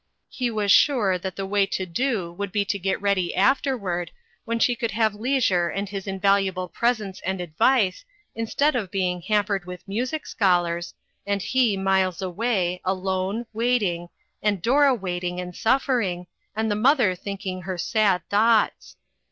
He was sure that the way to do would be to get ready afterward, when she would have leisure and his in valuable presence and advice, instead of be ing hampered with music scholars, and he miles away, alone, waiting, and Dora wait ing and suffering, and the mother thinking her sad thoughts.